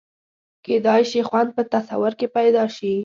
کېدای شي خوند په تصور کې پیدا شي.